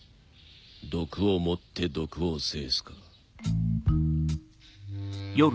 毒をもって毒を制すか。